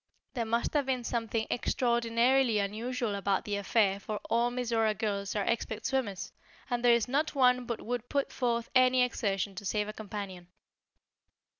There must have been something extraordinarily unusual about the affair for all Mizora girls are expert swimmers, and there is not one but would put forth any exertion to save a companion."